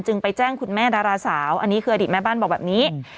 ไปแจ้งคุณแม่ดาราสาวอันนี้คืออดีตแม่บ้านบอกแบบนี้